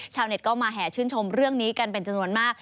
ชาวเน็ตก็มาแห่ชื่นชมเรื่องนี้กันเป็นจำนวนมาก